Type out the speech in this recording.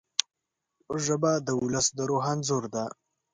ژبه د ولس د روح انځور ده